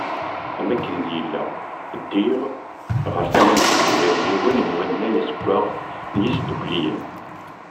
Am waken i d-yella, diɣ, ɣer tama-nsen ula d yiwen n wannay azeggaɣ n yisddukkliyen.